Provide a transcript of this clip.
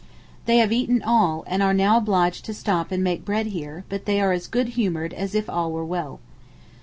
They have eaten all, and are now obliged to stop and make bread here, but they are as good humoured as if all were well.